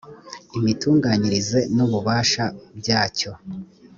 imitunganyirize n ububasha byacyo